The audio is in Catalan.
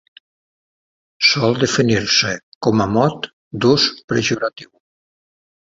Sol definir-se com a mot d'ús pejoratiu.